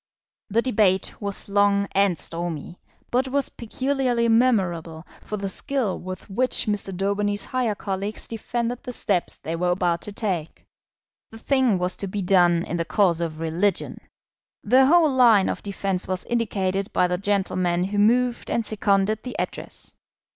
The debate was long and stormy, but was peculiarly memorable for the skill with which Mr. Daubeny's higher colleagues defended the steps they were about to take. The thing was to be done in the cause of religion. The whole line of defence was indicated by the gentlemen who moved and seconded the Address.